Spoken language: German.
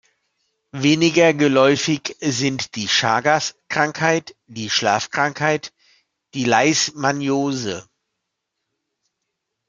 Weniger geläufig sind die Chagas-Krankheit, die Schlafkrankheit, die Leishmaniose.